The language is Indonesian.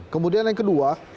kemudian yang kedua